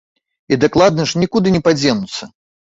І дакладна ж, нікуды не падзенуцца.